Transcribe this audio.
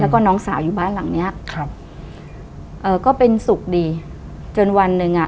แล้วก็น้องสาวอยู่บ้านหลังเนี้ยครับเอ่อก็เป็นสุขดีจนวันหนึ่งอ่ะ